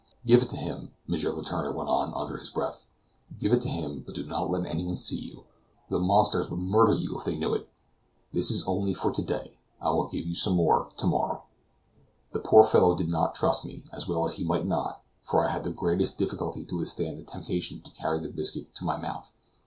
"Give it him," M. Letourneur went on under his breath, "give it him; but do not let anyone see you; the monsters would murder you if they knew it! This is only for to day; I will give you some more to morrow." The poor fellow did not trust me and well he might not for I had the greatest difficulty to withstand the temptation to carry the biscuit to my mouth.